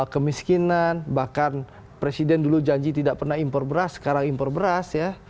kemiskinan bahkan presiden dulu janji tidak pernah impor beras sekarang impor beras ya